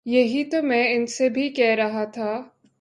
یہی تو میں ان سے بھی کہہ رہا تھا